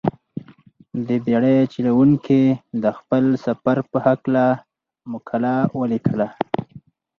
دې بېړۍ چلوونکي د خپل سفر په هلکه مقاله ولیکله.